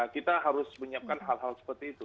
kita harus menyiapkan hal hal seperti itu